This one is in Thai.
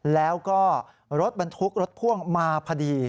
แล้วก็รถบรรทุกรถพ่วงมาพอดี